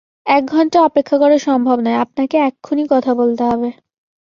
এক ঘন্টা অপেক্ষা করা সম্ভব নয়, আপনাকে এক্ষুণি কথা বলতে হবে।